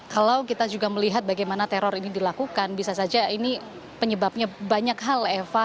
kalau kita juga melihat bagaimana teror ini dilakukan bisa saja ini penyebabnya banyak hal eva